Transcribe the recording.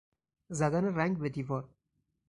زدن رنگ به دیوار